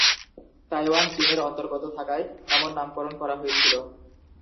Taiwan চীনের অন্তর্গত থাকায় এমন নামকরণ করা হয়েছিলো।